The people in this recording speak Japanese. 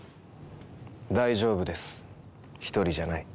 大丈夫です一人じゃない。